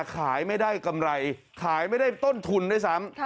ขายไม่ได้ต้นทุนด้วยซ้ำ